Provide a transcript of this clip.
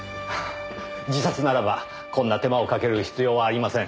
自殺ならばこんな手間をかける必要はありません。